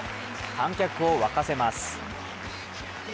観客を沸かせます。